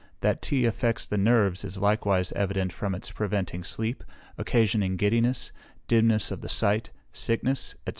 That tea affects the nerves is likewise evident from its preventing sleep, occasioning giddiness, dimness of the sight, sickness, &c."